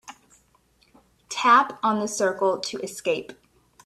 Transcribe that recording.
Tap on the circle to escape.